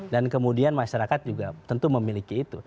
dan kemudian masyarakat juga tentu memiliki itu